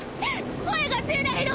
声が出ないの。